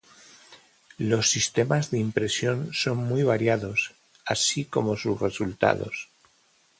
Los sistemas de impresión son muy variados, así como sus resultados.